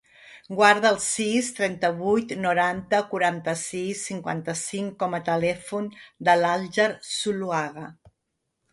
Guarda el sis, trenta-vuit, noranta, quaranta-sis, cinquanta-cinc com a telèfon de l'Alguer Zuluaga.